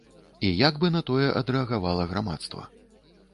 І як бы на тое адрэагавала грамадства.